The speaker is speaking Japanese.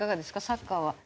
サッカーは。